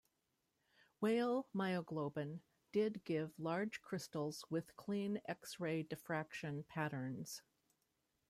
Whale myoglobin did give large crystals with clean X-ray diffraction patterns.